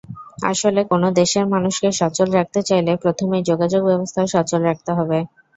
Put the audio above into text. আসলে কোনো দেশের মানুষকে সচল রাখতে চাইলে প্রথমেই যোগাযোগব্যবস্থা সচল রাখতে হবে।